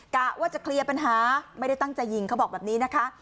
กะว่าจะเคลียร์ปัญหาไม่ได้ตั้งใจยิงเขาบอกแบบนี้นะคะ